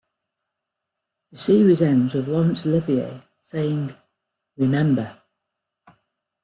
The series ends with Laurence Olivier saying "Remember".